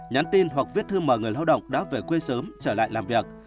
nhắn tin hoặc viết thư mời người lao động đã về quê sớm trở lại làm việc